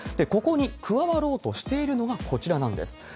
ここに加わろうとしているのがこちらなんです。